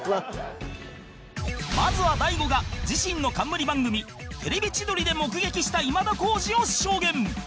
まずは大悟が自身の冠番組『テレビ千鳥』で目撃した今田耕司を証言！